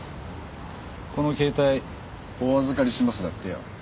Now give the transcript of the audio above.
「この携帯お預かりします」だってよ。